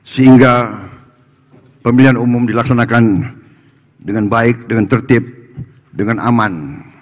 sehingga pemilihan umum dilaksanakan dengan baik dengan tertib dengan aman